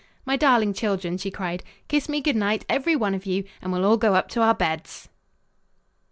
"My darling children!" she cried. "Kiss me good night, every one of you, and we'll all go up to our beds."